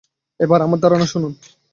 এবার আমার ধারণা শুনুন।